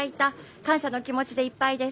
感謝の気持ちでいっぱいです。